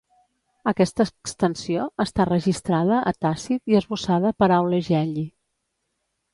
Aquesta extensió està registrada a Tàcit i esbossada per Aule Gelli.